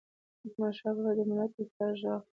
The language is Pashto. احمدشاه بابا د ملت د اتحاد ږغ و.